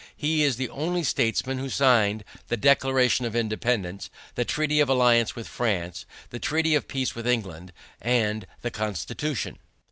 He is the only statesman who signed the Declaration of Independence, the Treaty of Alliance with France, the Treaty of Peace with England, and the Constitution.